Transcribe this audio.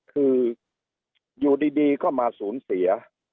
คืออยู่ดีก็มาสูญเสีย